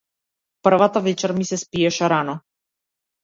Првата вечер ми се спиеше рано.